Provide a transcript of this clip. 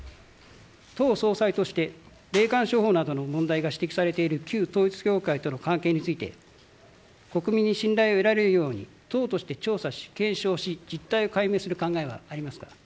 党総裁として霊感商法などの問題が指摘されている旧統一教会との関係について国民に信頼を得られるように党として検証し、実態を解明する考えはありますか。